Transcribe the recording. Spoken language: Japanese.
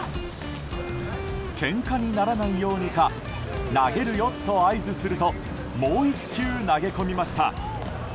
けんかにならないようにか投げるよと合図するともう１球投げ込みました。